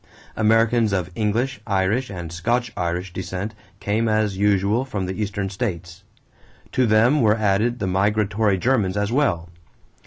Americans of English, Irish, and Scotch Irish descent came as usual from the Eastern states. To them were added the migratory Germans as well.